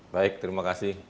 baik terima kasih